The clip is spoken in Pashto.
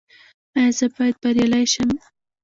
ایا زه باید بریالی شم؟